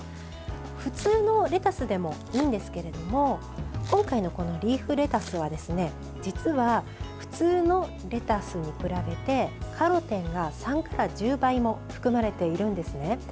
普通のレタスでもいいんですけれども今回のリーフレタスは実は、普通のレタスに比べてカロテンが３から１０倍も含まれているんですね。